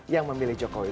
yang memilih jokowi